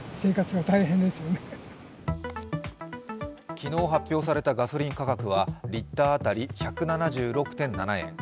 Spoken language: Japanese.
昨日発表されたガソリン価格はリッター当たり１７６．７円。